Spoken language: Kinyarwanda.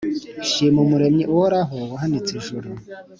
Nshima umuremyi uhoraho wahanitse ijuru